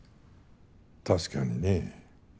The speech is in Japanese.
確かにね。